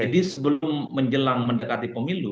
kalau kita mendekati pemilu